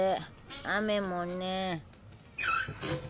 雨もね。